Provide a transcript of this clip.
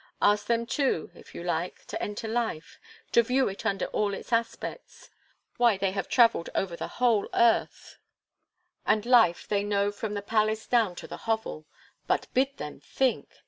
Ask them too, if you like, to enter life, to view it under all its aspects; why, they have travelled over the whole earth; and life, they know from the palace down to the hovel; but bid them think!